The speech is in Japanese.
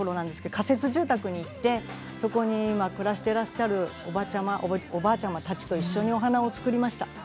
仮設住宅に行ってそこに暮らしていらっしゃるおばあちゃまたちと一緒にお花を作りました。